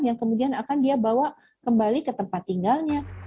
yang kemudian akan dia bawa kembali ke tempat tinggalnya